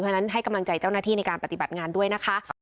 เพราะฉะนั้นให้กำลังใจเจ้าหน้าที่ในการปฏิบัติงานด้วยนะคะ